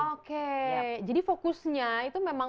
oke jadi fokusnya itu memang